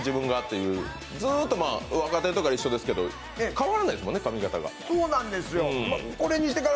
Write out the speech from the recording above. ずっと若手から一緒ですけど変わらないですもんね。